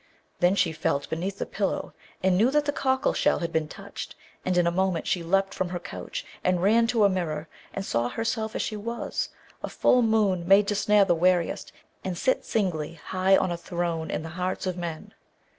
Then she felt beneath the pillow, and knew that the cockle shell had been touched; and in a moment she leapt from her couch, and ran to a mirror and saw herself as she was, a full moon made to snare the wariest and sit singly high on a throne in the hearts of men.